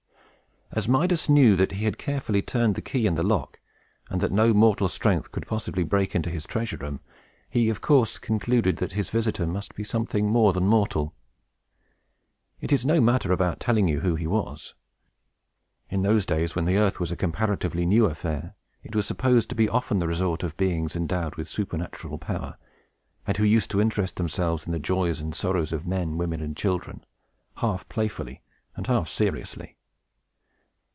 As Midas knew that he had carefully turned the key in the lock, and that no mortal strength could possibly break into his treasure room, he, of course, concluded that his visitor must be something more than mortal. It is no matter about telling you who he was. In those days, when the earth was comparatively a new affair, it was supposed to be often the resort of beings endowed with supernatural power, and who used to interest themselves in the joys and sorrows of men, women, and children, half playfully and half seriously.